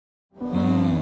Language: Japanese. うん。